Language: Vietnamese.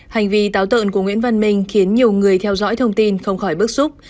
hành vi táo tợn của nguyễn văn minh khiến nhiều người theo dõi thông tin không khỏi bức xúc